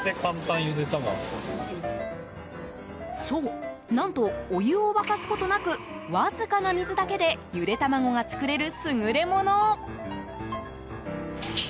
そう、何とお湯を沸かすことなくわずかな水だけでゆで卵が作れる優れもの。